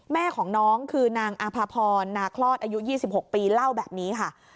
แม่ของน้องคือนางอาภาพรนาคลอดอายุ๒๖ปีเล่าแบบนี้ค่ะ